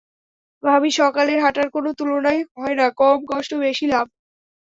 ভাবি সকালের হাঁটার কোনো তুলনাই হয় না, কম কষ্ট বেশি লাভ।